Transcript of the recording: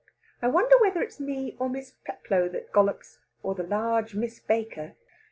I wonder whether it's me, or Miss Peplow that gollops, or the large Miss Baker."